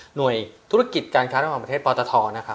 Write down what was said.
หน่วยธุรกิจการค้าระหว่างประเทศปตทนะครับ